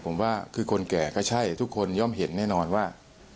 ผมว่าคือคนแก่ก็ใช่ทุกคนย่อมเห็นแน่นอนว่า